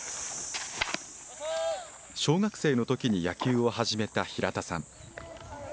小学生のときに野球を始めた平田さん。